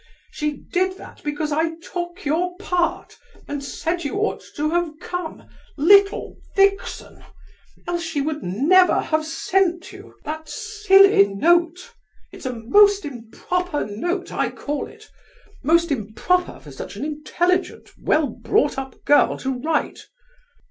She did that because I took your part and said you ought to have come—little vixen!—else she would never have sent you that silly note. It's a most improper note, I call it; most improper for such an intelligent, well brought up girl to write.